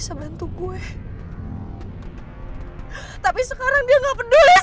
saya harus pergi